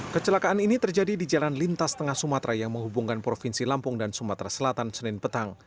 kecelakaan ini terjadi di jalan lintas tengah sumatera yang menghubungkan provinsi lampung dan sumatera selatan senin petang